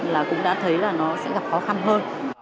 là cũng đã thấy là nó sẽ gặp khó khăn hơn